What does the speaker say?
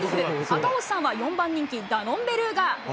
赤星さんは、４番人気、ダノンベルーガ。